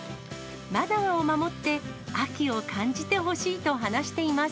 マナーを守って、秋を感じてほしいと話しています。